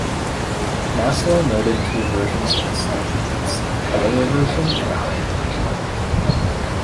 Maslow noted two versions of esteem needs: a "lower" version and a "higher" version.